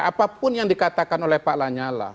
apapun yang dikatakan oleh pak lanyala